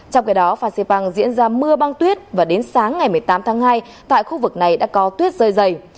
trong cái đó phan xê băng diễn ra mưa băng tuyết và đến sáng ngày một mươi tám tháng hai tại khu vực này đã có tuyết rơi dày